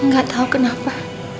gak tau kenapa